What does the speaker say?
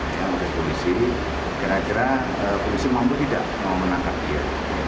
dia mengatasi komisi kira kira komisi mampu tidak mau menangkap dia